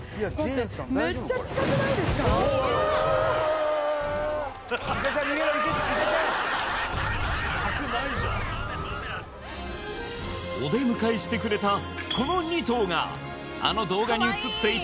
柵ないじゃんお出迎えしてくれたこの２頭があの動画に映っていた